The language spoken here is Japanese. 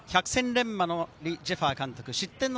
百戦錬磨のリ・ジェファ監督。